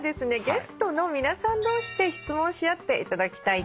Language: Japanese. ゲストの皆さん同士で質問し合っていただきたいと思います。